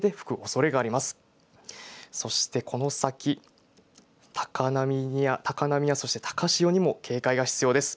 そしてこの先、高波やそして高潮にも警戒が必要です。